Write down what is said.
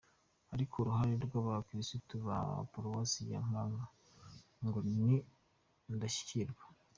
Ariko uruhare rw’Abakirisitu ba Paruwasi ya Nkanka ngo ni ndashyikirwa.